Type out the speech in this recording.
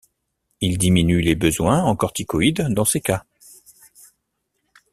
Il diminue les besoins en corticoïde dans ces cas.